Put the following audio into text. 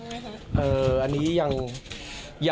จะมีโอกาสไปกัน๒คนอีกครั้งไหมคะ